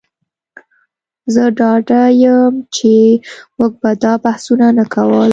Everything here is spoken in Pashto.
زه ډاډه یم چې موږ به دا بحثونه نه کول